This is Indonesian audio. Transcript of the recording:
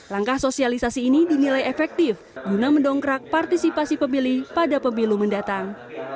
langkah sosialisasi ini dinilai efektif guna mendongkrak partisipasi pemilih pada pemilu mendatang